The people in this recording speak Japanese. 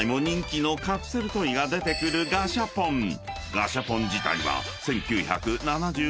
［ガシャポン自体は］